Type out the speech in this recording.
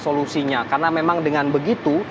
solusinya karena memang dengan begitu